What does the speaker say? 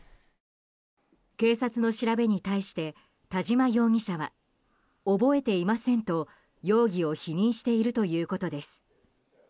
警察の調べに対して田島容疑者は覚えていませんと容疑を否認しているということです。